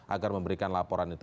agar memberikan laporan itu